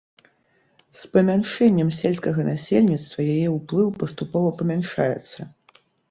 З памяншэннем сельскага насельніцтва яе ўплыў паступова памяншаецца.